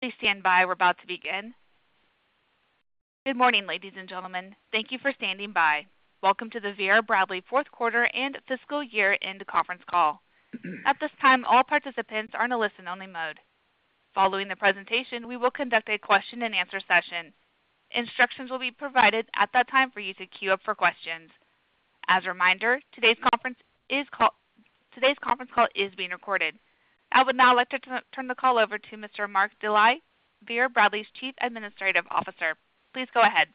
Good morning, ladies and gentlemen. Thank you for standing by. Welcome to the Vera Bradley fourth quarter and fiscal year-end conference call. At this time, all participants are in a listen-only mode. Following the presentation, we will conduct a question-and-answer session. Instructions will be provided at that time for you to queue up for questions. As a reminder, today's conference call is being recorded. I would now like to turn the call over to Mr. Mark Dely, Vera Bradley's Chief Administrative Officer. Please go ahead.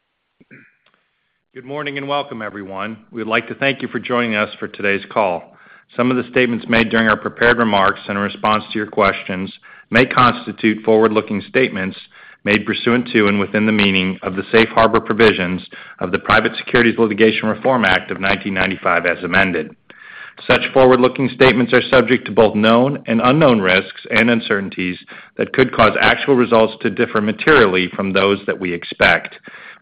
Good morning, and welcome, everyone. We'd like to thank you for joining us for today's call. Some of the statements made during our prepared remarks in response to your questions may constitute forward-looking statements made pursuant to and within the meaning of the safe harbor provisions of the Private Securities Litigation Reform Act of 1995, as amended. Such forward-looking statements are subject to both known and unknown risks and uncertainties that could cause actual results to differ materially from those that we expect.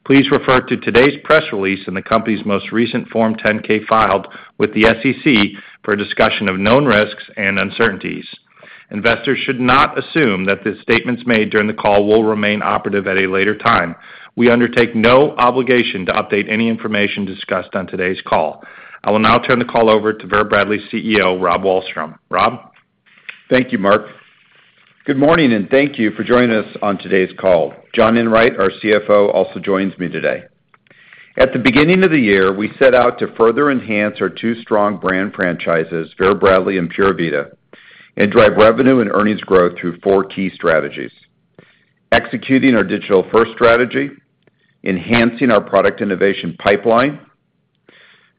Please refer to today's press release in the company's most recent Form 10-K filed with the SEC for a discussion of known risks and uncertainties. Investors should not assume that the statements made during the call will remain operative at a later time. We undertake no obligation to update any information discussed on today's call. I will now turn the call over to Vera Bradley's CEO, Rob Wallstrom. Rob? Thank you, Mark. Good morning, and thank you for joining us on today's call. John Enwright, our CFO, also joins me today. At the beginning of the year, we set out to further enhance our two strong brand franchises, Vera Bradley and Pura Vida, and drive revenue and earnings growth through four key strategies, executing our digital-first strategy, enhancing our product innovation pipeline,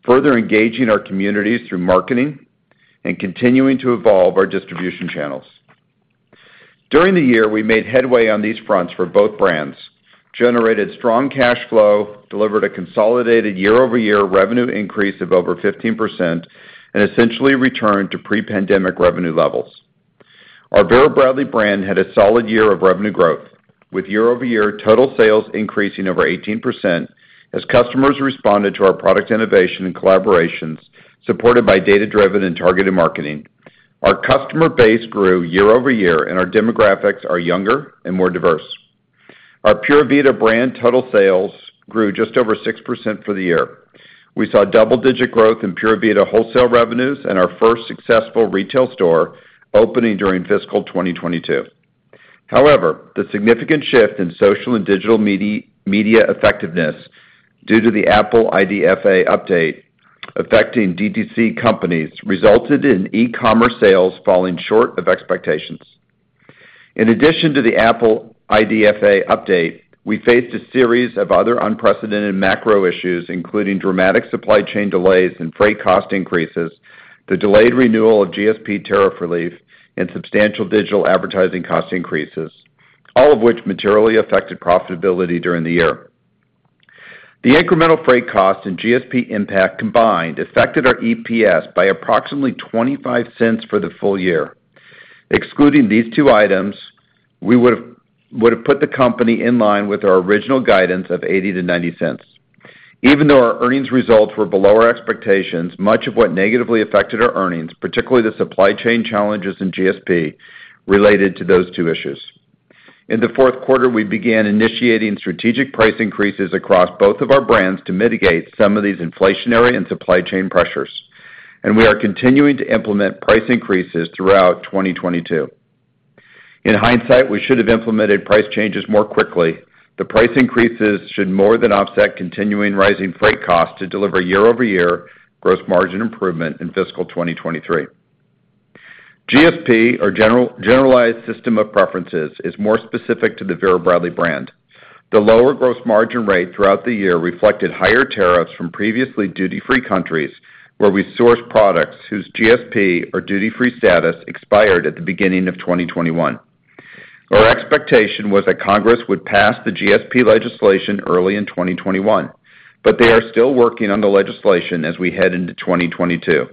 further engaging our communities through marketing, and continuing to evolve our distribution channels. During the year, we made headway on these fronts for both brands, generated strong cash flow, delivered a consolidated year-over-year revenue increase of over 15%, and essentially returned to pre-pandemic revenue levels. Our Vera Bradley brand had a solid year of revenue growth, with year-over-year total sales increasing over 18% as customers responded to our product innovation and collaborations supported by data-driven and targeted marketing. Our customer base grew year-over-year, and our demographics are younger and more diverse. Our Pura Vida brand total sales grew just over 6% for the year. We saw double-digit growth in Pura Vida wholesale revenues and our first successful retail store opening during fiscal 2022. However, the significant shift in social and digital media effectiveness due to the Apple IDFA update affecting D2C companies resulted in e-commerce sales falling short of expectations. In addition to the Apple IDFA update, we faced a series of other unprecedented macro issues, including dramatic supply chain delays and freight cost increases, the delayed renewal of GSP tariff relief, and substantial digital advertising cost increases, all of which materially affected profitability during the year. The incremental freight costs and GSP impact combined affected our EPS by approximately $0.25 for the full year. Excluding these two items, we would've put the company in line with our original guidance of $0.80-$0.90. Even though our earnings results were below our expectations, much of what negatively affected our earnings, particularly the supply chain challenges in GSP, related to those two issues. In the fourth quarter, we began initiating strategic price increases across both of our brands to mitigate some of these inflationary and supply chain pressures, and we are continuing to implement price increases throughout 2022. In hindsight, we should have implemented price changes more quickly. The price increases should more than offset continuing rising freight costs to deliver year-over-year gross margin improvement in fiscal 2023. GSP or Generalized System of Preferences is more specific to the Vera Bradley brand. The lower gross margin rate throughout the year reflected higher tariffs from previously duty-free countries where we source products whose GSP or duty-free status expired at the beginning of 2021. Our expectation was that Congress would pass the GSP legislation early in 2021, but they are still working on the legislation as we head into 2022.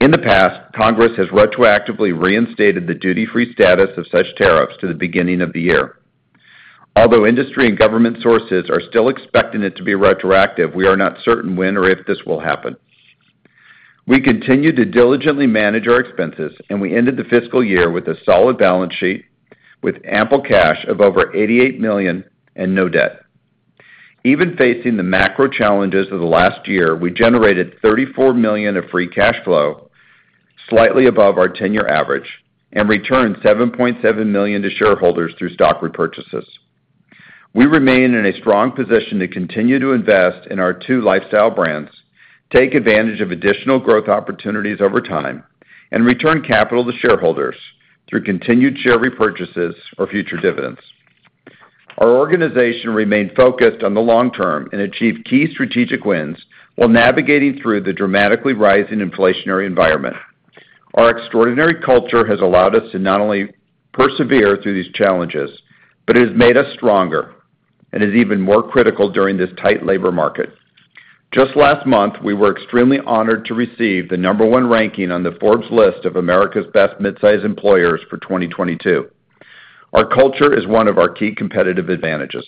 In the past, Congress has retroactively reinstated the duty-free status of such tariffs to the beginning of the year. Although industry and government sources are still expecting it to be retroactive, we are not certain when or if this will happen. We continue to diligently manage our expenses, and we ended the fiscal year with a solid balance sheet with ample cash of over $88 million and no debt. Even facing the macro challenges of the last year, we generated $34 million of free cash flow, slightly above our 10-year average, and returned $7.7 million to shareholders through stock repurchases. We remain in a strong position to continue to invest in our two lifestyle brands, take advantage of additional growth opportunities over time, and return capital to shareholders through continued share repurchases or future dividends. Our organization remained focused on the long term and achieved key strategic wins while navigating through the dramatically rising inflationary environment. Our extraordinary culture has allowed us to not only persevere through these challenges, but it has made us stronger and is even more critical during this tight labor market. Just last month, we were extremely honored to receive the number one ranking on the Forbes list of America's Best Midsize Employers for 2022. Our culture is one of our key competitive advantages.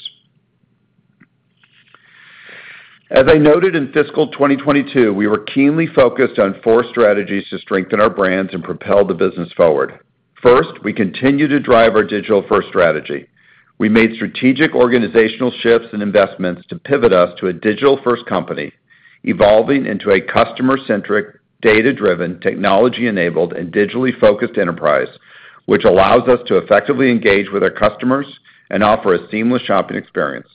As I noted in fiscal 2022, we were keenly focused on four strategies to strengthen our brands and propel the business forward. First, we continue to drive our digital-first strategy. We made strategic organizational shifts and investments to pivot us to a digital-first company, evolving into a customer-centric, data-driven, technology-enabled and digitally focused enterprise, which allows us to effectively engage with our customers and offer a seamless shopping experience.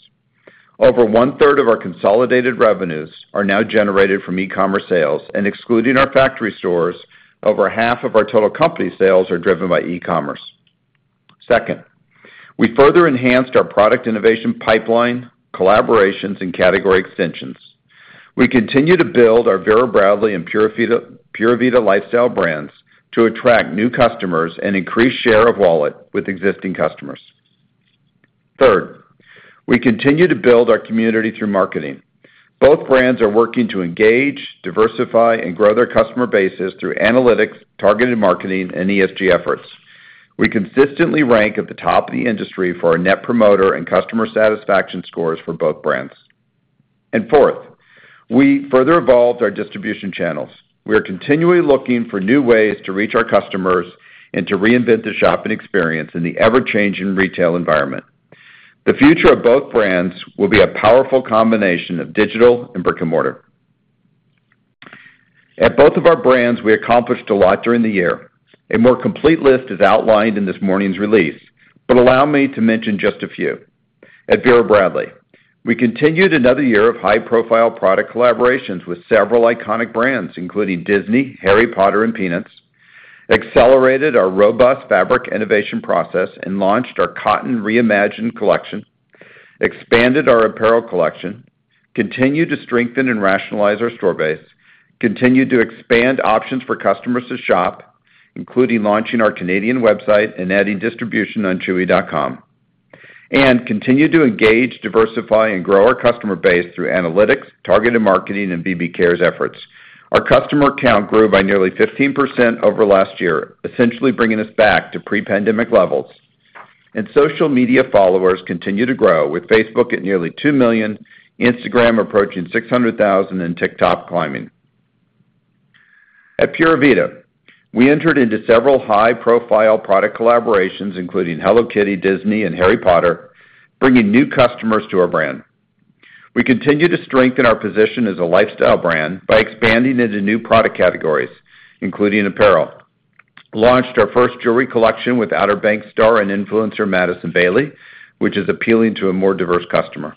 Over 1/3 of our consolidated revenues are now generated from e-commerce sales, and excluding our factory stores, over 1/2 of our total company sales are driven by e-commerce. Second, we further enhanced our product innovation pipeline, collaborations and category extensions. We continue to build our Vera Bradley and Pura Vida lifestyle brands to attract new customers and increase share of wallet with existing customers. Third, we continue to build our community through marketing. Both brands are working to engage, diversify and grow their customer bases through analytics, targeted marketing and ESG efforts. We consistently rank at the top of the industry for our net promoter and customer satisfaction scores for both brands. Fourth, we further evolved our distribution channels. We are continually looking for new ways to reach our customers and to reinvent the shopping experience in the ever-changing retail environment. The future of both brands will be a powerful combination of digital and brick-and-mortar. At both of our brands, we accomplished a lot during the year. A more complete list is outlined in this morning's release, but allow me to mention just a few. At Vera Bradley, we continued another year of high-profile product collaborations with several iconic brands, including Disney, Harry Potter and Peanuts, accelerated our robust fabric innovation process and launched our Cotton ReImagined collection, expanded our apparel collection, continued to strengthen and rationalize our store base, continued to expand options for customers to shop, including launching our Canadian website and adding distribution on chewy.com, and continued to engage, diversify and grow our customer base through analytics, targeted marketing and VB Cares efforts. Our customer count grew by nearly 15% over last year, essentially bringing us back to pre-pandemic levels, and social media followers continue to grow, with Facebook at nearly 2 million, Instagram approaching 600,000, and TikTok climbing. At Pura Vida, we entered into several high-profile product collaborations, including Hello Kitty, Disney and Harry Potter, bringing new customers to our brand. We continue to strengthen our position as a lifestyle brand by expanding into new product categories, including apparel. We launched our first jewelry collection with Outer Banks star and influencer Madison Bailey, which is appealing to a more diverse customer.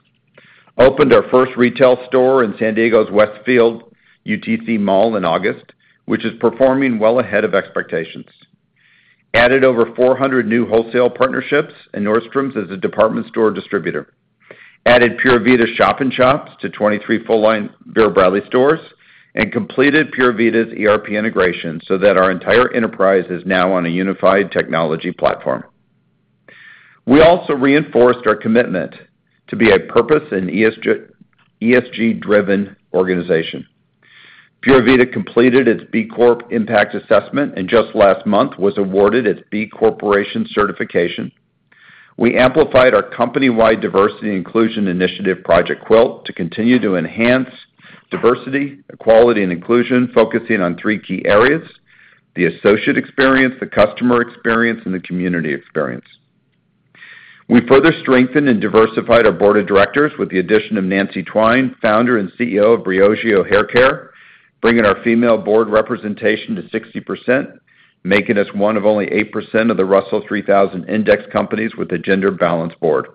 We opened our first retail store in San Diego's Westfield UTC Mall in August, which is performing well ahead of expectations. We added over 400 new wholesale partnerships in Nordstrom as a department store distributor. We added Pura Vida shop-in-shops to 23 full-line Vera Bradley stores and completed Pura Vida's ERP integration so that our entire enterprise is now on a unified technology platform. We also reinforced our commitment to be a purpose and ESG-driven organization. Pura Vida completed its B Corp impact assessment and just last month was awarded its B Corporation certification. We amplified our company-wide diversity inclusion initiative, Project Quilt, to continue to enhance diversity, equality and inclusion, focusing on three key areas, the associate experience, the customer experience and the community experience. We further strengthened and diversified our board of directors with the addition of Nancy Twine, founder and CEO of Briogeo Hair Care, bringing our female board representation to 60%, making us one of only 8% of the Russell 3000 Index companies with a gender-balanced board.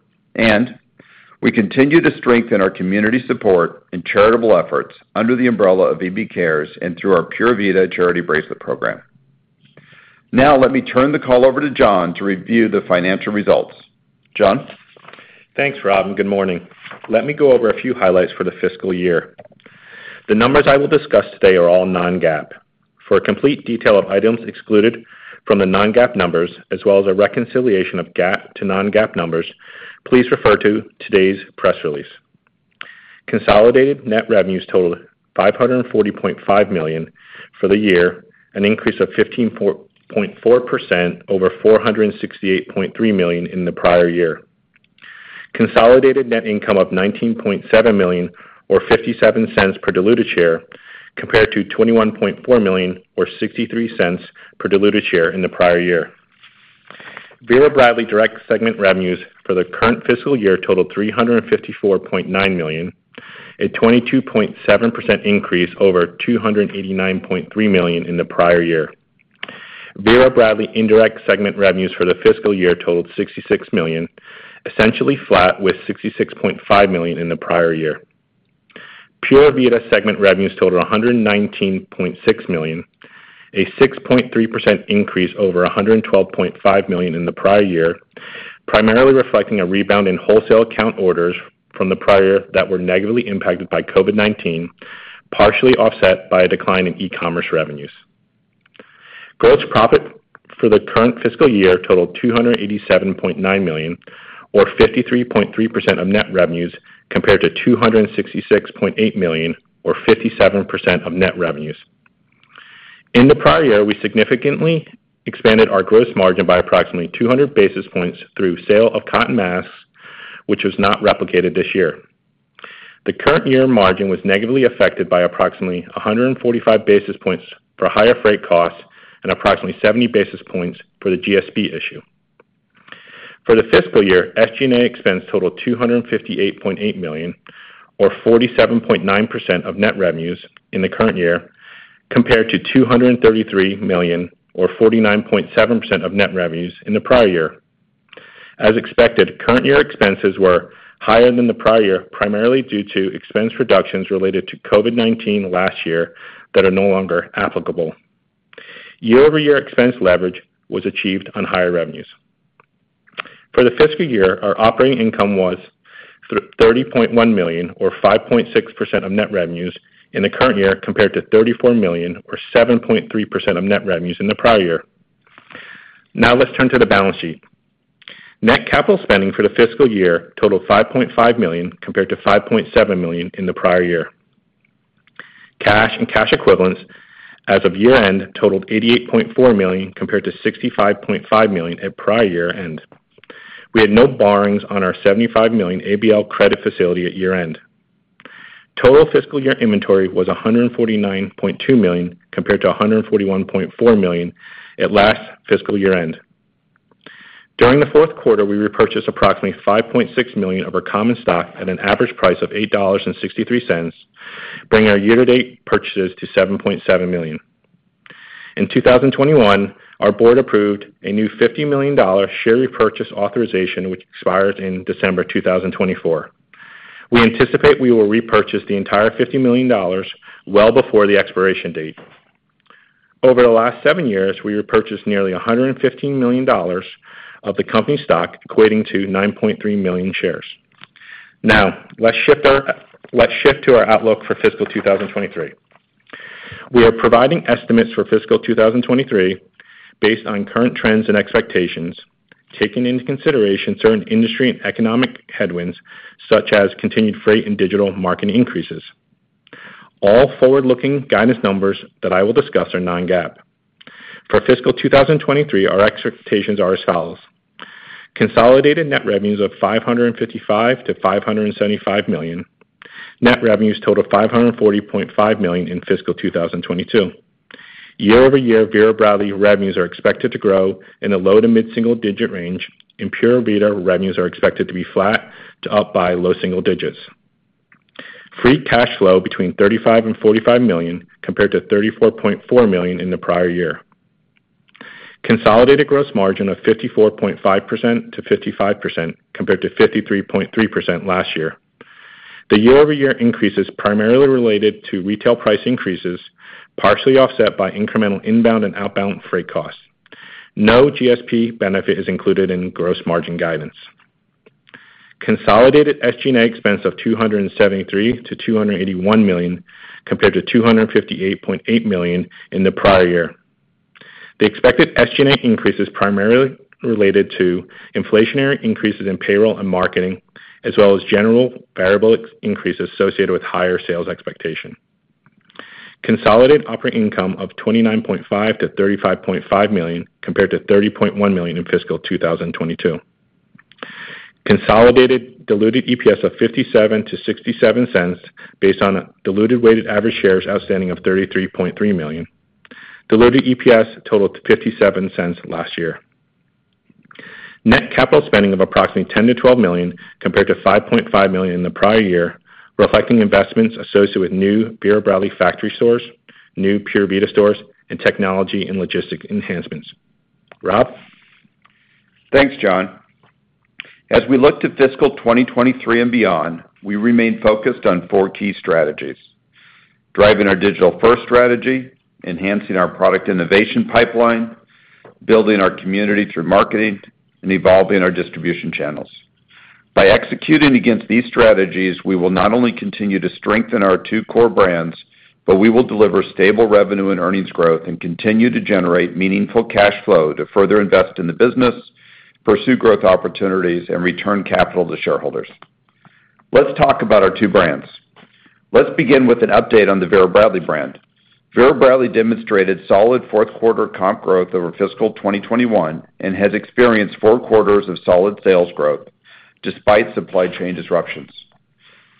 We continue to strengthen our community support and charitable efforts under the umbrella of VB Cares and through our Pura Vida charity bracelet program. Now let me turn the call over to John to review the financial results. John? Thanks, Rob, and good morning. Let me go over a few highlights for the fiscal year. The numbers I will discuss today are all non-GAAP. For a complete detail of items excluded from the non-GAAP numbers, as well as a reconciliation of GAAP to non-GAAP numbers, please refer to today's press release. Consolidated net revenues totaled $540.5 million for the year, an increase of 15.4% over $468.3 million in the prior year. Consolidated net income of $19.7 million or $0.57 per diluted share compared to $21.4 million or $0.63 per diluted share in the prior year. Vera Bradley direct segment revenues for the current fiscal year totaled $354.9 million, a 22.7% increase over $289.3 million in the prior year. Vera Bradley indirect segment revenues for the fiscal year totaled $66 million, essentially flat with $66.5 million in the prior year. Pura Vida segment revenues totaled $119.6 million, a 6.3% increase over $112.5 million in the prior year, primarily reflecting a rebound in wholesale account orders from the prior year that were negatively impacted by COVID-19, partially offset by a decline in e-commerce revenues. Gross profit for the current fiscal year totaled $287.9 million or 53.3% of net revenues compared to $266.8 million or 57% of net revenues. In the prior year, we significantly expanded our gross margin by approximately 200 basis points through sale of cotton masks, which was not replicated this year. The current year margin was negatively affected by approximately 145 basis points for higher freight costs and approximately 70 basis points for the GSP issue. For the fiscal year, SG&A expense totaled $258.8 million or 47.9% of net revenues in the current year compared to $233 million or 49.7% of net revenues in the prior year. As expected, current year expenses were higher than the prior year, primarily due to expense reductions related to COVID-19 last year that are no longer applicable. Year-over-year expense leverage was achieved on higher revenues. For the fiscal year, our operating income was $30.1 million or 5.6% of net revenues in the current year, compared to $34 million or 7.3% of net revenues in the prior year. Now let's turn to the balance sheet. Net capital spending for the fiscal year totaled $5.5 million compared to $5.7 million in the prior year. Cash and cash equivalents as of year-end totaled $88.4 million compared to $65.5 million at prior year-end. We had no borrowings on our $75 million ABL credit facility at year-end. Total fiscal year inventory was $149.2 million, compared to $141.4 million at last fiscal year-end. During the fourth quarter, we repurchased approximately $5.6 million of our common stock at an average price of $8.63, bringing our year-to-date purchases to $7.7 million. In 2021, our board approved a new $50 million share repurchase authorization, which expires in December 2024. We anticipate we will repurchase the entire $50 million well before the expiration date. Over the last seven years, we repurchased nearly $115 million of the company stock, equating to 9.3 million shares. Now let's shift to our outlook for fiscal 2023. We are providing estimates for fiscal 2023 based on current trends and expectations, taking into consideration certain industry and economic headwinds, such as continued freight and digital marketing increases. All forward-looking guidance numbers that I will discuss are non-GAAP. For fiscal 2023, our expectations are as follows: Consolidated net revenues of $555 million-$575 million. Net revenues totaled $540.5 million in fiscal 2022. Year-over-year, Vera Bradley revenues are expected to grow in the low- to mid-single-digit range, and Pura Vida revenues are expected to be flat to up by low single digits. Free cash flow between $35 million and $45 million, compared to $34.4 million in the prior year. Consolidated gross margin of 54.5%-55%, compared to 53.3% last year. The year-over-year increase is primarily related to retail price increases, partially offset by incremental inbound and outbound freight costs. No GSP benefit is included in gross margin guidance. Consolidated SG&A expense of $273 million-$281 million, compared to $258.8 million in the prior year. The expected SG&A increase is primarily related to inflationary increases in payroll and marketing, as well as general variable expense increases associated with higher sales expectation. Consolidated operating income of $29.5 million-$35.5 million, compared to $30.1 million in fiscal 2022. Consolidated diluted EPS of $0.57-$0.67 based on diluted weighted average shares outstanding of 33.3 million. Diluted EPS totaled to $0.57 last year. Net capital spending of approximately $10 million-$12 million, compared to $5.5 million in the prior year, reflecting investments associated with new Vera Bradley factory stores, new Pura Vida stores, and technology and logistics enhancements. Rob? Thanks, John. As we look to fiscal 2023 and beyond, we remain focused on four key strategies, driving our digital first strategy, enhancing our product innovation pipeline, building our community through marketing, and evolving our distribution channels. By executing against these strategies, we will not only continue to strengthen our two core brands, but we will deliver stable revenue and earnings growth and continue to generate meaningful cash flow to further invest in the business, pursue growth opportunities, and return capital to shareholders. Let's talk about our two brands. Let's begin with an update on the Vera Bradley brand. Vera Bradley demonstrated solid fourth quarter comp growth over fiscal 2021 and has experienced four quarters of solid sales growth despite supply chain disruptions.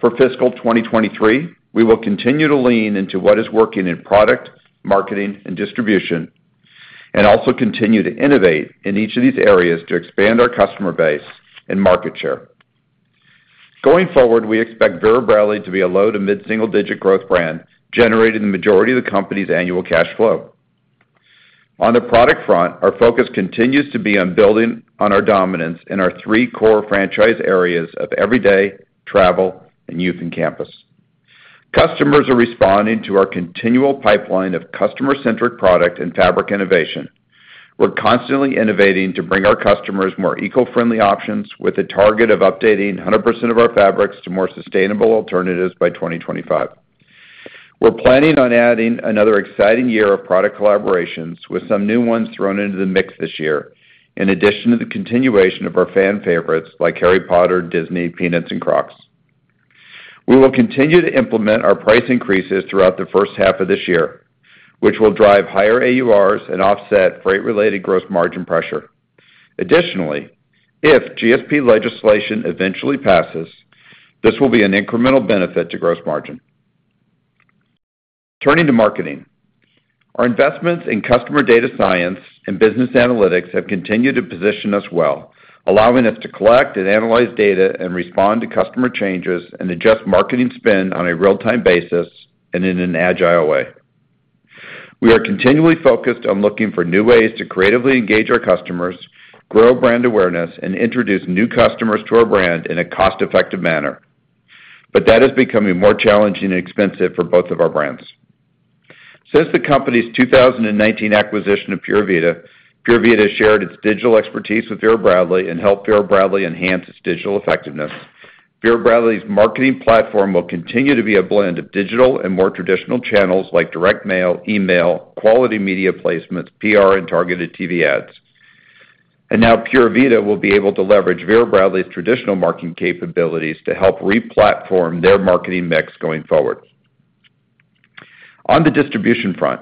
For fiscal 2023, we will continue to lean into what is working in product, marketing, and distribution, and also continue to innovate in each of these areas to expand our customer base and market share. Going forward, we expect Vera Bradley to be a low to mid-single digit growth brand, generating the majority of the company's annual cash flow. On the product front, our focus continues to be on building on our dominance in our three core franchise areas of everyday, travel, and youth and campus. Customers are responding to our continual pipeline of customer-centric product and fabric innovation. We're constantly innovating to bring our customers more eco-friendly options with a target of updating 100% of our fabrics to more sustainable alternatives by 2025. We're planning on adding another exciting year of product collaborations with some new ones thrown into the mix this year, in addition to the continuation of our fan favorites like Harry Potter, Disney, Peanuts, and Crocs. We will continue to implement our price increases throughout the first half of this year, which will drive higher AURs and offset freight-related gross margin pressure. Additionally, if GSP legislation eventually passes, this will be an incremental benefit to gross margin. Turning to marketing. Our investments in customer data science and business analytics have continued to position us well, allowing us to collect and analyze data and respond to customer changes and adjust marketing spend on a real-time basis and in an agile way. We are continually focused on looking for new ways to creatively engage our customers, grow brand awareness, and introduce new customers to our brand in a cost-effective manner. That is becoming more challenging and expensive for both of our brands. Since the company's 2019 acquisition of Pura Vida, Pura Vida has shared its digital expertise with Vera Bradley and helped Vera Bradley enhance its digital effectiveness. Vera Bradley's marketing platform will continue to be a blend of digital and more traditional channels like direct mail, email, quality media placements, PR, and targeted TV ads. Now Pura Vida will be able to leverage Vera Bradley's traditional marketing capabilities to help re-platform their marketing mix going forward. On the distribution front,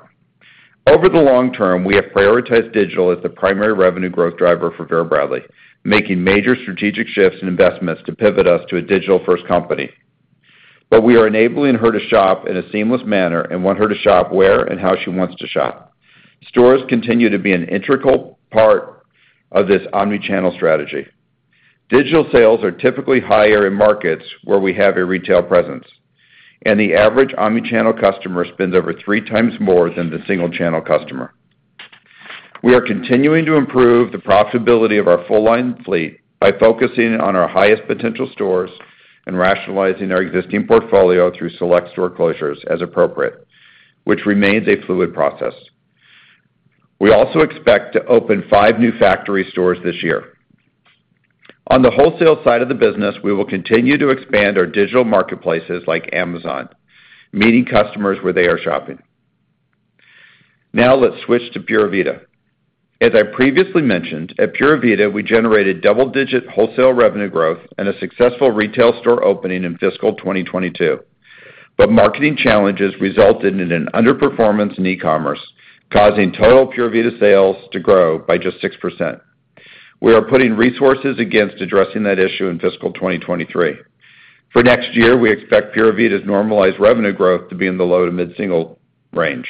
over the long term, we have prioritized digital as the primary revenue growth driver for Vera Bradley, making major strategic shifts and investments to pivot us to a digital-first company. We are enabling her to shop in a seamless manner and want her to shop where and how she wants to shop. Stores continue to be an integral part of this omni-channel strategy. Digital sales are typically higher in markets where we have a retail presence, and the average omni-channel customer spends over three times more than the single-channel customer. We are continuing to improve the profitability of our full-line fleet by focusing on our highest potential stores and rationalizing our existing portfolio through select store closures as appropriate, which remains a fluid process. We also expect to open five new factory stores this year. On the wholesale side of the business, we will continue to expand our digital marketplaces like Amazon, meeting customers where they are shopping. Now let's switch to Pura Vida. As I previously mentioned, at Pura Vida, we generated double-digit wholesale revenue growth and a successful retail store opening in fiscal 2022. Marketing challenges resulted in an underperformance in e-commerce, causing total Pura Vida sales to grow by just 6%. We are putting resources against addressing that issue in fiscal 2023. For next year, we expect Pura Vida's normalized revenue growth to be in the low- to mid-single-digit range.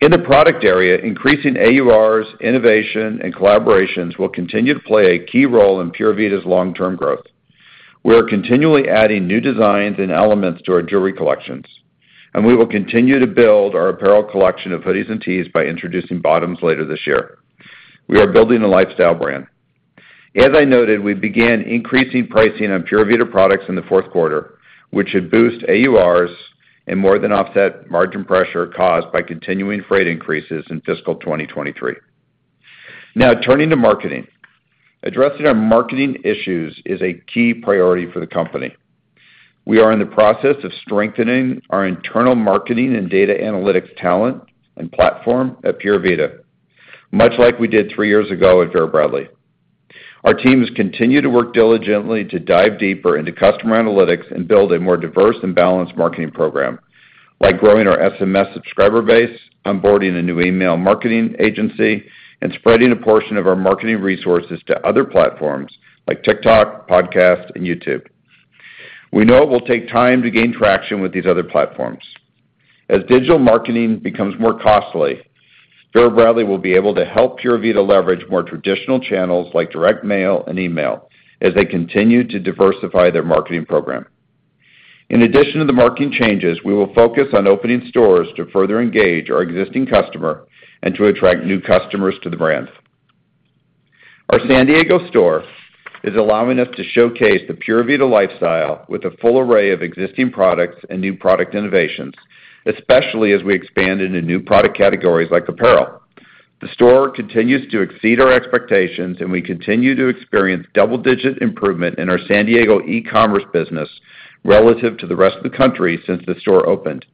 In the product area, increasing AURs, innovation, and collaborations will continue to play a key role in Pura Vida's long-term growth. We are continually adding new designs and elements to our jewelry collections, and we will continue to build our apparel collection of hoodies and tees by introducing bottoms later this year. We are building a lifestyle brand. As I noted, we began increasing pricing on Pura Vida products in the fourth quarter, which should boost AURs and more than offset margin pressure caused by continuing freight increases in fiscal 2023. Now turning to marketing. Addressing our marketing issues is a key priority for the company. We are in the process of strengthening our internal marketing and data analytics talent and platform at Pura Vida, much like we did three years ago at Vera Bradley. Our teams continue to work diligently to dive deeper into customer analytics and build a more diverse and balanced marketing program by growing our SMS subscriber base, onboarding a new email marketing agency, and spreading a portion of our marketing resources to other platforms like TikTok, podcast, and YouTube. We know it will take time to gain traction with these other platforms. As digital marketing becomes more costly, Vera Bradley will be able to help Pura Vida leverage more traditional channels like direct mail and email as they continue to diversify their marketing program. In addition to the marketing changes, we will focus on opening stores to further engage our existing customer and to attract new customers to the brand. Our San Diego store is allowing us to showcase the Pura Vida lifestyle with a full array of existing products and new product innovations, especially as we expand into new product categories like apparel. The store continues to exceed our expectations, and we continue to experience double-digit improvement in our San Diego e-commerce business relative to the rest of the country since the store opened,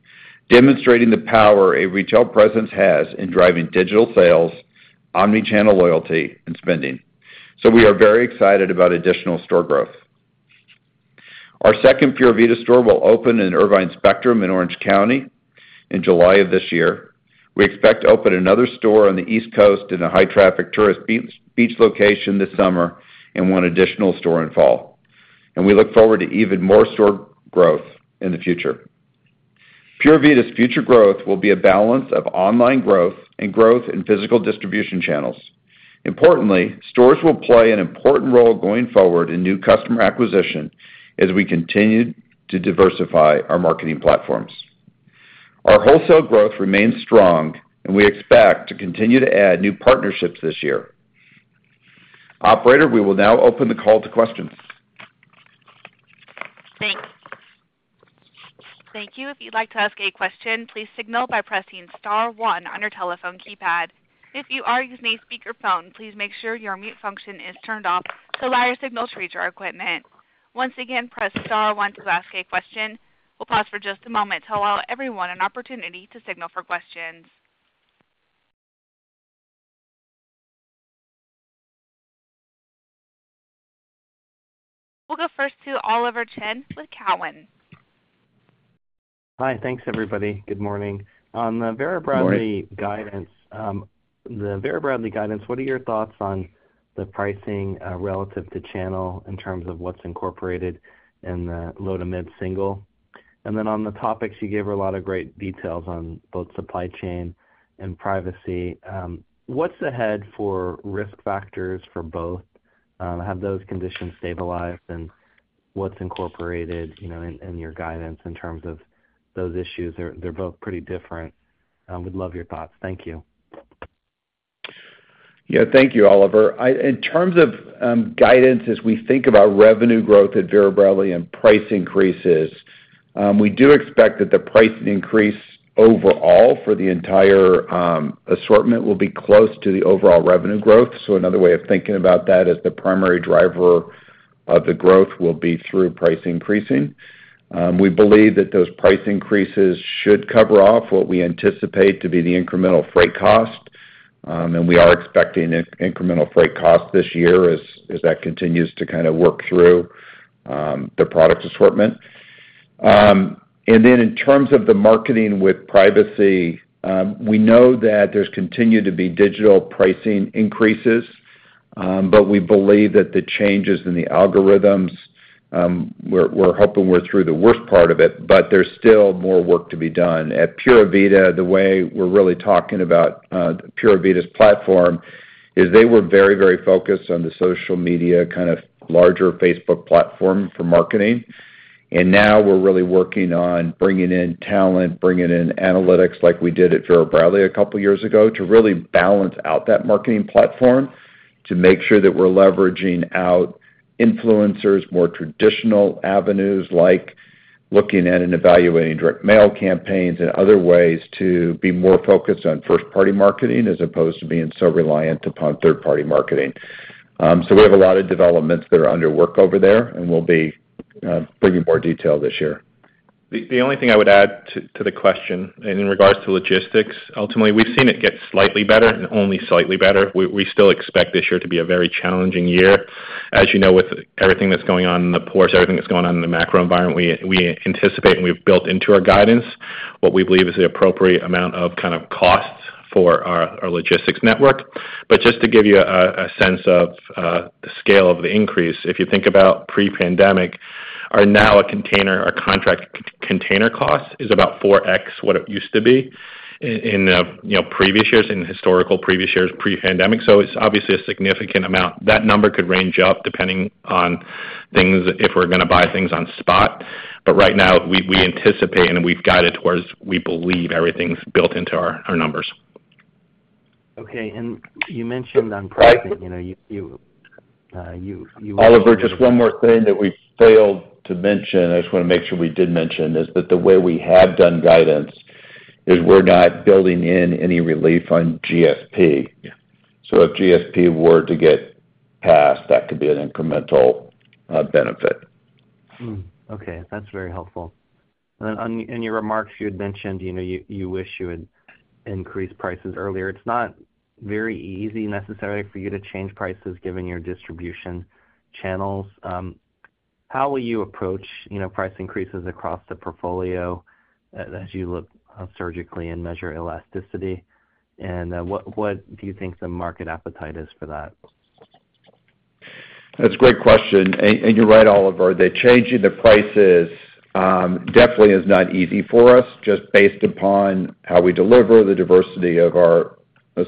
demonstrating the power a retail presence has in driving digital sales, omni-channel loyalty, and spending. We are very excited about additional store growth. Our second Pura Vida store will open in Irvine Spectrum in Orange County in July of this year. We expect to open another store on the East Coast in a high-traffic tourist beach location this summer and one additional store in fall. We look forward to even more store growth in the future. Pura Vida's future growth will be a balance of online growth and growth in physical distribution channels. Importantly, stores will play an important role going forward in new customer acquisition as we continue to diversify our marketing platforms. Our wholesale growth remains strong, and we expect to continue to add new partnerships this year. Operator, we will now open the call to questions. Thank you. If you'd like to ask a question, please signal by pressing star one on your telephone keypad. If you are using a speakerphone, please make sure your mute function is turned off to allow your signal to reach our equipment. Once again, press star one to ask a question. We'll pause for just a moment to allow everyone an opportunity to signal for questions. We'll go first to Oliver Chen with Cowen. Hi. Thanks, everybody. Good morning. On the Vera Bradley guidance, what are your thoughts on the pricing relative to channel in terms of what's incorporated in the low- to mid-single? On the topics, you gave us a lot of great details on both supply chain and pricing. What's ahead for risk factors for both? Have those conditions stabilized? What's incorporated, you know, in your guidance in terms of those issues? They're both pretty different. Would love your thoughts. Thank you. Yeah. Thank you, Oliver. In terms of guidance as we think about revenue growth at Vera Bradley and price increases, we do expect that the price increase overall for the entire assortment will be close to the overall revenue growth. Another way of thinking about that is the primary driver of the growth will be through price increasing. We believe that those price increases should cover off what we anticipate to be the incremental freight cost, and we are expecting incremental freight cost this year as that continues to kind of work through the product assortment. In terms of the marketing with privacy, we know that there's continued to be digital pricing increases, but we believe that the changes in the algorithms, we're hoping we're through the worst part of it, but there's still more work to be done. At Pura Vida, the way we're really talking about, Pura Vida's platform is they were very, very focused on the social media, kind of larger Facebook platform for marketing. Now we're really working on bringing in talent, bringing in analytics like we did at Vera Bradley a couple years ago, to really balance out that marketing platform, to make sure that we're leveraging out influencers, more traditional avenues like looking at and evaluating direct mail campaigns and other ways to be more focused on first-party marketing as opposed to being so reliant upon third-party marketing. We have a lot of developments that are underway over there, and we'll be bringing more detail this year. The only thing I would add to the question and in regards to logistics, ultimately, we've seen it get slightly better and only slightly better. We still expect this year to be a very challenging year. As you know, with everything that's going on in the ports, everything that's going on in the macro environment, we anticipate and we've built into our guidance what we believe is the appropriate amount of kind of costs for our logistics network. Just to give you a sense of the scale of the increase, if you think about pre-pandemic, and now a container or contract container cost is about 4x what it used to be in, you know, previous years, in historical previous years pre-pandemic. It's obviously a significant amount. That number could range up depending on things if we're gonna buy things on spot. Right now, we anticipate and we've guided towards we believe everything's built into our numbers. Okay. You mentioned on pricing, you know, you. Oliver, just one more thing that we failed to mention. I just wanna make sure we did mention this, that the way we have done guidance is we're not building in any relief on GSP. Yeah. If GSP were to get passed, that could be an incremental benefit. Okay. That's very helpful. In your remarks, you had mentioned, you know, you wish you had increased prices earlier. It's not very easy necessarily for you to change prices given your distribution channels. How will you approach, you know, price increases across the portfolio as you look surgically and measure elasticity? What do you think the market appetite is for that? That's a great question. You're right, Oliver, that changing the prices definitely is not easy for us just based upon how we deliver, the diversity of our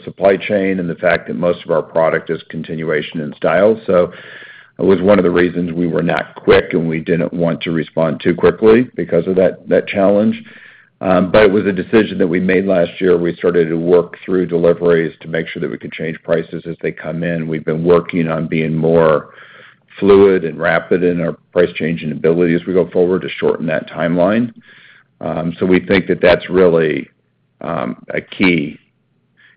supply chain, and the fact that most of our product is continuation in style. It was one of the reasons we were not quick, and we didn't want to respond too quickly because of that challenge. It was a decision that we made last year. We started to work through deliveries to make sure that we could change prices as they come in. We've been working on being more fluid and rapid in our price changing ability as we go forward to shorten that timeline. We think that that's really a key.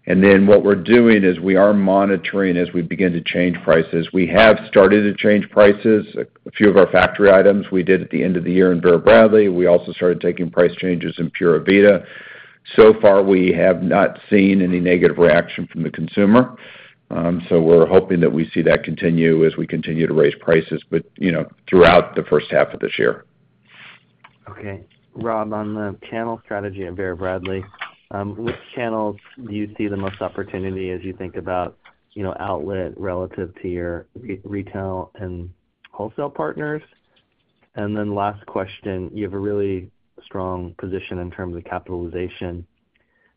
Then what we're doing is we are monitoring as we begin to change prices. We have started to change prices. A few of our factory items we did at the end of the year in Vera Bradley. We also started taking price changes in Pura Vida. So far, we have not seen any negative reaction from the consumer. We're hoping that we see that continue as we continue to raise prices, but, you know, throughout the first half of this year. Okay. Rob, on the channel strategy at Vera Bradley, which channels do you see the most opportunity as you think about, you know, outlet relative to your retail and wholesale partners? Last question, you have a really strong position in terms of capitalization.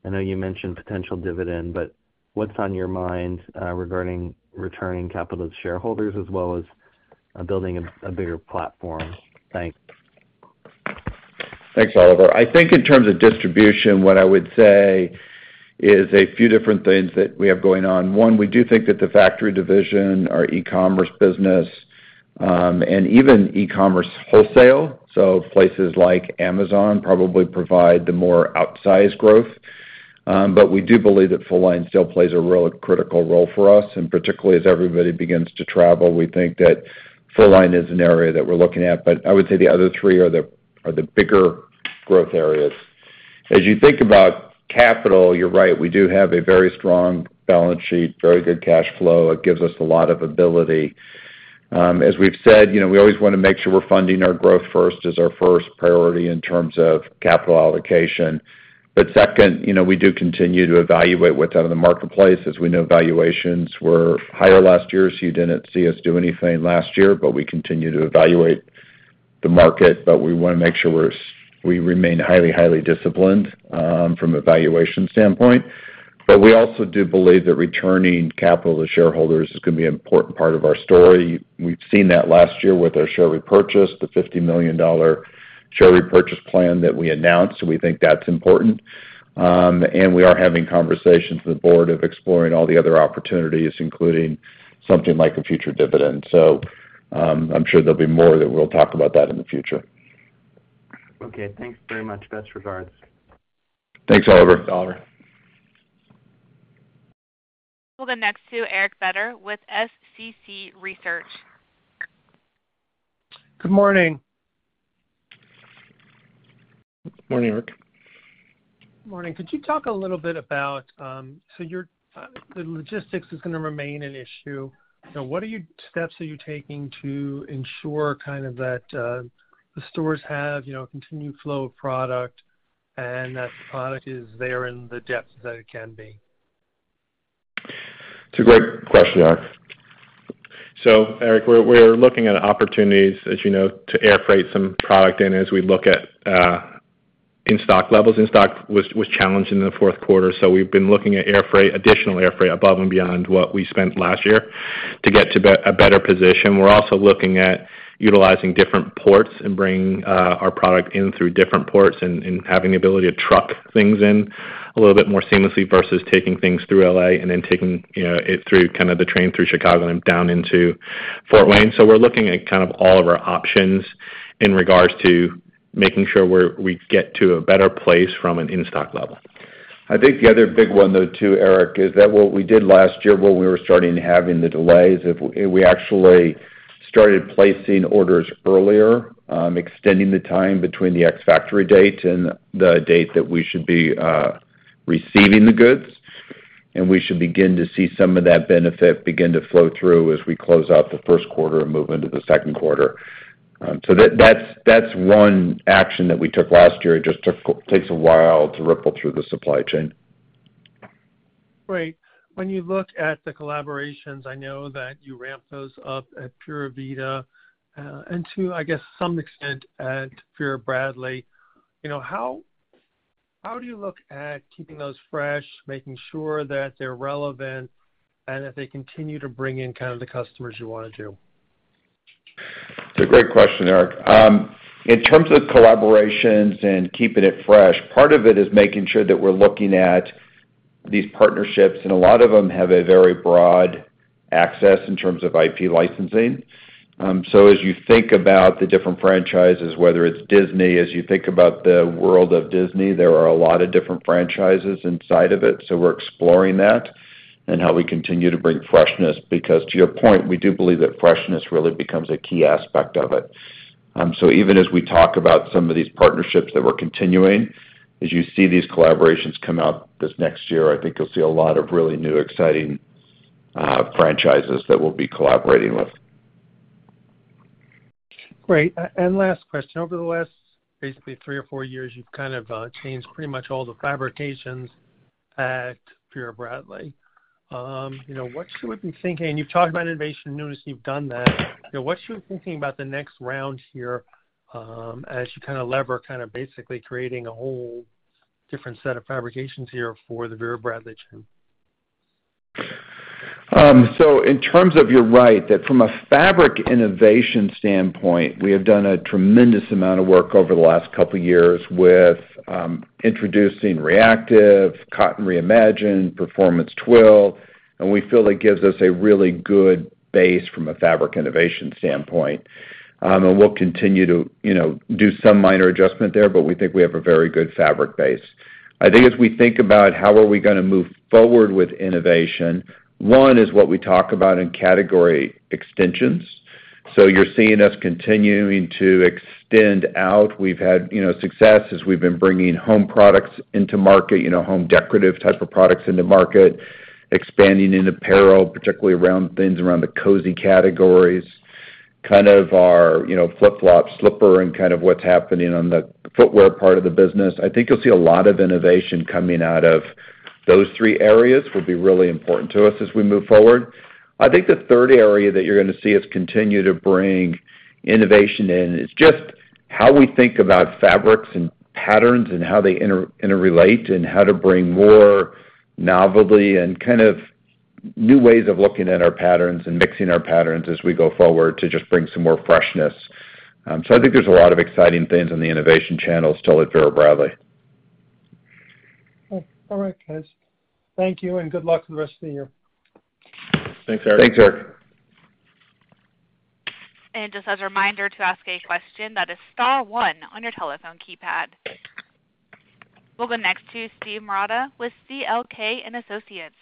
I know you mentioned potential dividend, but what's on your mind regarding returning capital to shareholders as well as building a bigger platform? Thanks. Thanks, Oliver. I think in terms of distribution, what I would say is a few different things that we have going on. One, we do think that the factory division, our e-commerce business, and even e-commerce wholesale, so places like Amazon probably provide the more outsized growth, but we do believe that full line still plays a real critical role for us. Particularly as everybody begins to travel, we think that full line is an area that we're looking at. I would say the other three are the bigger growth areas. As you think about capital, you're right. We do have a very strong balance sheet, very good cash flow. It gives us a lot of ability. As we've said, you know, we always wanna make sure we're funding our growth first as our first priority in terms of capital allocation. Second, you know, we do continue to evaluate what's out in the marketplace. As we know, valuations were higher last year, so you didn't see us do anything last year, but we continue to evaluate the market, but we wanna make sure we remain highly disciplined from a valuation standpoint. We also do believe that returning capital to shareholders is gonna be an important part of our story. We've seen that last year with our share repurchase, the $50 million share repurchase plan that we announced. We think that's important. We are having conversations with the board of exploring all the other opportunities, including something like a future dividend. I'm sure there'll be more that we'll talk about in the future. Okay. Thanks very much. Best regards. Thanks, Oliver. Oliver. We'll go next to Eric Beder with SCC Research. Good morning. Morning, Eric. Morning. Could you talk a little bit about the logistics is gonna remain an issue. What steps are you taking to ensure kind of that the stores have continued flow of product and that the product is there in the depth that it can be? It's a great question, Eric. Eric, we're looking at opportunities, as you know, to air freight some product in as we look at in-stock levels. In-stock was challenged in the fourth quarter, so we've been looking at air freight, additional air freight above and beyond what we spent last year to get to a better position. We're also looking at utilizing different ports and bringing our product in through different ports and having the ability to truck things in a little bit more seamlessly versus taking things through L.A. and then taking, you know, it through kind of the train through Chicago and down into Fort Wayne. We're looking at kind of all of our options in regards to making sure we get to a better place from an in-stock level. I think the other big one though, too, Eric, is that what we did last year when we were starting having the delays, we actually started placing orders earlier, extending the time between the ex-factory date and the date that we should be, receiving the goods. We should begin to see some of that benefit begin to flow through as we close out the first quarter and move into the second quarter. That's one action that we took last year. It just takes a while to ripple through the supply chain. Great. When you look at the collaborations, I know that you ramp those up at Pura Vida, and to, I guess, some extent at Vera Bradley. You know, how do you look at keeping those fresh, making sure that they're relevant, and that they continue to bring in kind of the customers you want to do? It's a great question, Eric. In terms of collaborations and keeping it fresh, part of it is making sure that we're looking at these partnerships, and a lot of them have a very broad access in terms of IP licensing. As you think about the different franchises, whether it's Disney, as you think about the world of Disney, there are a lot of different franchises inside of it. We're exploring that and how we continue to bring freshness because to your point, we do believe that freshness really becomes a key aspect of it. Even as we talk about some of these partnerships that we're continuing, as you see these collaborations come out this next year, I think you'll see a lot of really new, exciting, franchises that we'll be collaborating with. Great. Last question. Over the last basically three or four years, you've kind of changed pretty much all the fabrications at Vera Bradley. You know, what should we be thinking? You've talked about innovation, noted you've done that. You know, what you thinking about the next round here, as you kinda leverage kind of basically creating a whole different set of fabrications here for the Vera Bradley team? In terms of, you're right. From a fabric innovation standpoint, we have done a tremendous amount of work over the last couple years with introducing ReActive, Cotton ReImagined, Performance Twill, and we feel it gives us a really good base from a fabric innovation standpoint. We'll continue to do some minor adjustment there, but we think we have a very good fabric base. I think as we think about how are we gonna move forward with innovation, one is what we talk about in category extensions. You're seeing us continuing to extend out. We've had, you know, success as we've been bringing home products into market, you know, home decorative type of products into market, expanding into apparel, particularly around things around the cozy categories, kind of our, you know, flip-flop, slipper and kind of what's happening on the footwear part of the business. I think you'll see a lot of innovation coming out of those three areas will be really important to us as we move forward. I think the third area that you're gonna see us continue to bring innovation in is just how we think about fabrics and patterns and how they interrelate and how to bring more novelty and kind of new ways of looking at our patterns and mixing our patterns as we go forward to just bring some more freshness. I think there's a lot of exciting things in the innovation channels still at Vera Bradley. All right, guys. Thank you and good luck for the rest of the year. Thanks, Eric. Thanks, Eric. Just as a reminder, to ask a question, that is star one on your telephone keypad. We'll go next to Steve Marotta with CL King & Associates.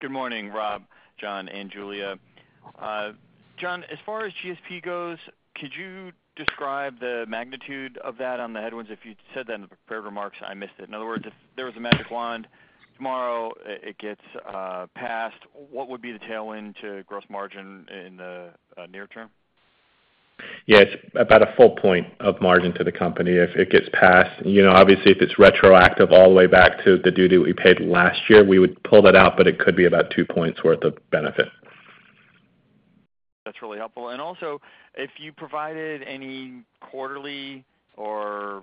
Good morning, Rob, John, and Julia. John, as far as GSP goes, could you describe the magnitude of that on the headwinds? If you said that in the prepared remarks, I missed it. In other words, if there was a magic wand tomorrow, it gets passed, what would be the tailwind to gross margin in the near term? Yes. About a full point of margin to the company if it gets passed. You know, obviously, if it's retroactive all the way back to the duty we paid last year, we would pull that out, but it could be about 2 points worth of benefit. That's really helpful. Also, if you provided any quarterly or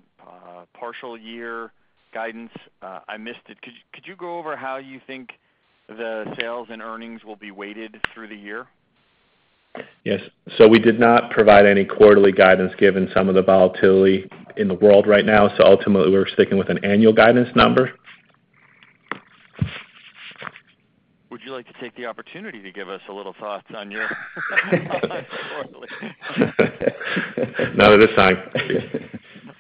partial year guidance, I missed it. Could you go over how you think the sales and earnings will be weighted through the year? Yes. We did not provide any quarterly guidance given some of the volatility in the world right now. Ultimately, we're sticking with an annual guidance number. Would you like to take the opportunity to give us a little thoughts on your quarterly? Not at this time.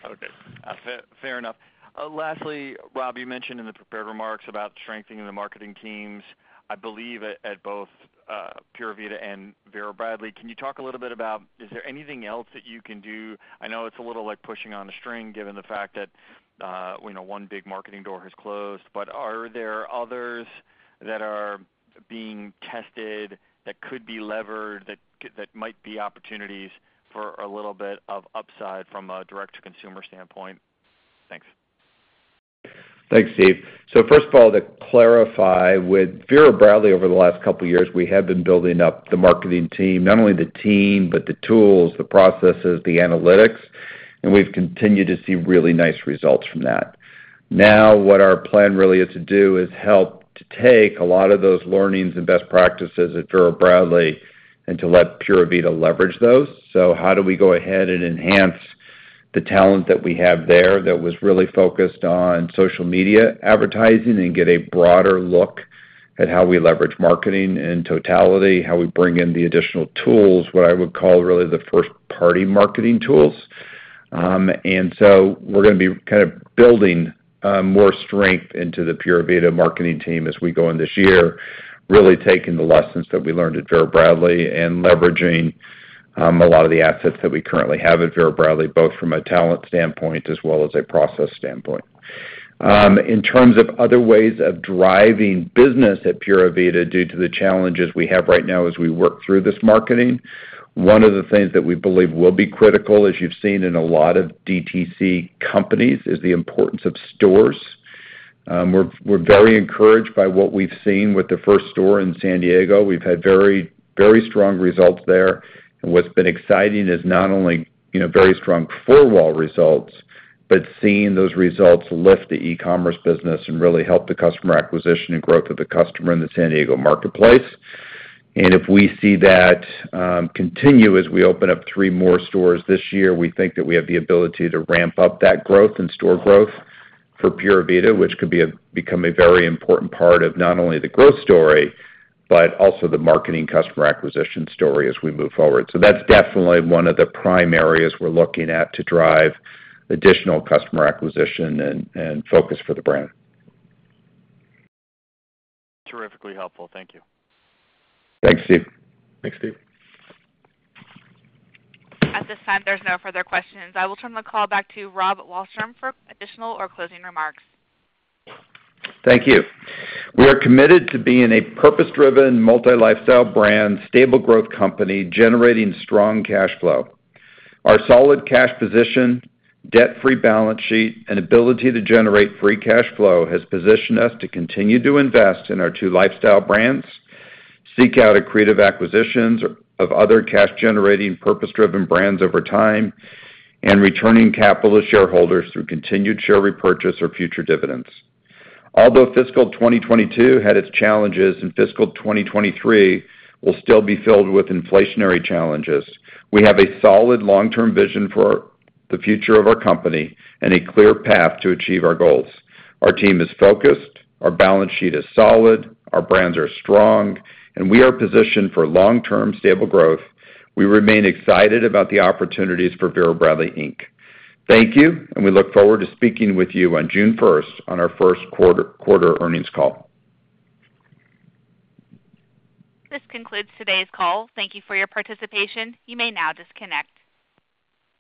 Okay. Fair enough. Lastly, Rob, you mentioned in the prepared remarks about strengthening the marketing teams, I believe at both Pura Vida and Vera Bradley. Can you talk a little bit about is there anything else that you can do? I know it's a little like pushing on a string given the fact that, you know, one big marketing door has closed. Are there others that are being tested that could be levered, that might be opportunities for a little bit of upside from a direct-to-consumer standpoint? Thanks. Thanks, Steve. First of all, to clarify, with Vera Bradley over the last couple years, we have been building up the marketing team. Not only the team, but the tools, the processes, the analytics, and we've continued to see really nice results from that. Now, what our plan really is to do is help to take a lot of those learnings and best practices at Vera Bradley and to let Pura Vida leverage those. How do we go ahead and enhance the talent that we have there that was really focused on social media advertising and get a broader look at how we leverage marketing in totality, how we bring in the additional tools, what I would call really the first party marketing tools? We're gonna be kind of building more strength into the Pura Vida marketing team as we go in this year, really taking the lessons that we learned at Vera Bradley and leveraging a lot of the assets that we currently have at Vera Bradley, both from a talent standpoint as well as a process standpoint. In terms of other ways of driving business at Pura Vida due to the challenges we have right now as we work through this marketing, one of the things that we believe will be critical, as you've seen in a lot of DTC companies, is the importance of stores. We're very encouraged by what we've seen with the first store in San Diego. We've had very, very strong results there. What's been exciting is not only, you know, very strong four-wall results, but seeing those results lift the e-commerce business and really help the customer acquisition and growth of the customer in the San Diego marketplace. If we see that continue as we open up three more stores this year, we think that we have the ability to ramp up that growth and store growth for Pura Vida, which could become a very important part of not only the growth story, but also the marketing customer acquisition story as we move forward. That's definitely one of the prime areas we're looking at to drive additional customer acquisition and focus for the brand. Terrifically helpful. Thank you. Thanks, Steve. Thanks, Steve. At this time, there's no further questions. I will turn the call back to Rob Wallstrom for additional or closing remarks. Thank you. We are committed to being a purpose-driven, multi-lifestyle brand, stable growth company generating strong cash flow. Our solid cash position, debt-free balance sheet, and ability to generate free cash flow has positioned us to continue to invest in our two lifestyle brands, seek out accretive acquisitions of other cash-generating, purpose-driven brands over time, and returning capital to shareholders through continued share repurchase or future dividends. Although fiscal 2022 had its challenges, and fiscal 2023 will still be filled with inflationary challenges, we have a solid long-term vision for the future of our company and a clear path to achieve our goals. Our team is focused, our balance sheet is solid, our brands are strong, and we are positioned for long-term stable growth. We remain excited about the opportunities for Vera Bradley, Inc. Thank you, and we look forward to speaking with you on June first on our first quarter earnings call. This concludes today's call. Thank you for your participation. You may now disconnect.